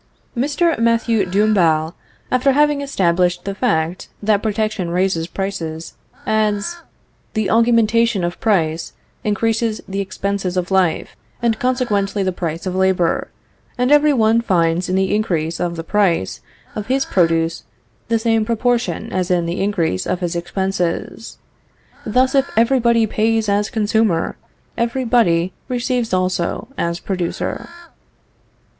Mr. Mathieu de Dombasle, after having established the fact that protection raises prices, adds: "The augmentation of price increases the expenses of life, and consequently the price of labor, and every one finds in the increase of the price of his produce the same proportion as in the increase of his expenses. Thus, if every body pays as consumer, every body receives also as producer."